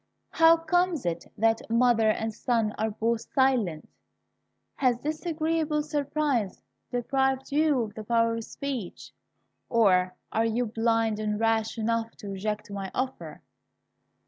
"How comes it that mother and son are both silent? Has this agreeable surprise deprived you of the power of speech? or are you blind and rash enough to reject my offer?